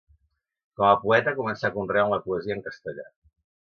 Com a poeta començà conreant la poesia en castellà.